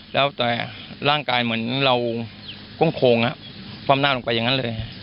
แล้วแต่ร่างกายเหมือนเราก้มโค้งคว่ำหน้าลงไปอย่างนั้นเลย